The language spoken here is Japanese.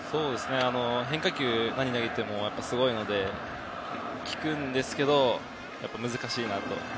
変化球何を投げてもすごいので聞くんですけど難しいなと。